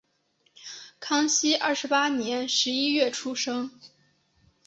康熙二十八年十一月出生。